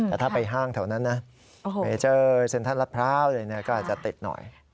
แต่ถ้าไปห้างแถวนั้นนะไปเจอเส้นทางรัดพร้าวอะไรแบบนี้ก็อาจจะติดหน่อย